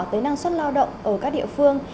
tới năng suất lao động ở các địa phương